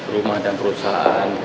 rumah dan perusahaan